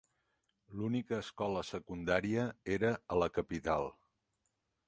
L'única escola secundària era a la capital.